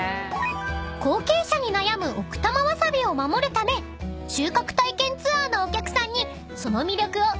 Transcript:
［後継者に悩む奥多摩わさびを守るため収穫体験ツアーのお客さんにその魅力を伝えているんです］